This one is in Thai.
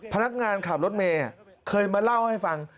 พนักงานขับรถเมกับกระเป๋าสายเคยมาเล่าให้ฟัง